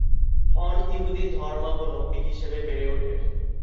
হন ইহুদি ধর্মাবলম্বী হিসেবে বেড়ে ওঠেন।